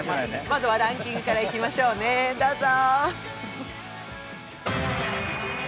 まずはランキングからいきましょうね、どうぞ！